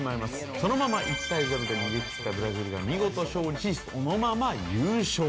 そのまま１対０で逃げ切ったブラジルが見事勝利しそのまま優勝。